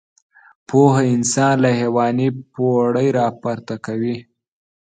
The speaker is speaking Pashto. پوهه انسان له حيواني پوړۍ راپورته کوي.